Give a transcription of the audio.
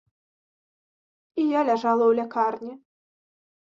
І я ляжала ў лякарні.